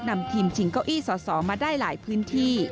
นำทีมชิงเก้าอี้สอสอมาได้หลายพื้นที่